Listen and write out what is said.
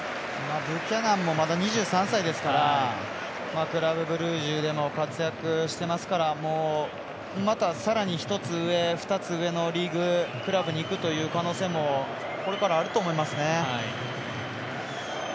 ブキャナンもまだ２３歳ですからクラブブルージュでも活躍してますからまた、さらに１つ上、２つ上のリーグ、クラブに行くという可能性もこれからあると思いますね。